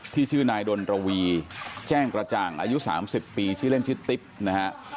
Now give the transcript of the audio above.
ชื่อนายดนระวีแจ้งกระจ่างอายุ๓๐ปีชื่อเล่นชื่อติ๊บนะฮะ